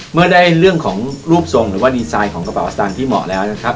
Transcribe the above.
เมื่อได้เรื่องของรูปทรงหรือว่าดีไซน์ของกระเป๋าสตางค์ที่เหมาะแล้วนะครับ